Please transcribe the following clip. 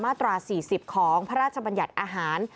ตรา๔๐ของพระราชบัญญัติอาหาร